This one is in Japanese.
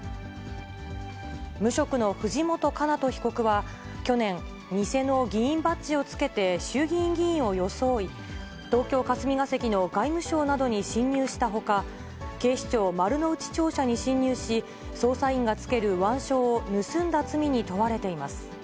無職の藤本叶人被告は去年、偽の議員バッジをつけて、衆議院議員を装い、東京・霞が関の外務省などに侵入したほか、警視庁丸の内庁舎に侵入し、捜査員がつける腕章を盗んだ罪に問われています。